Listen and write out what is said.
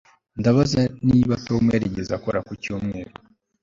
Ndabaza niba Tom yarigeze akora ku cyumweru